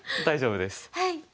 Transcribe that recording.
大丈夫です。